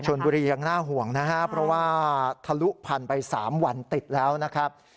ชนบุรียังน่าห่วงนะครับเพราะว่าทะลุพันธุ์ไป๓วันติดแล้วนะครับ